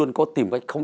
em có hiểu không